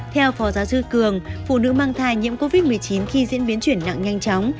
theo phó giáo sư cường phụ nữ mang thai nhiễm covid một mươi chín khi diễn biến chuyển nặng nhanh chóng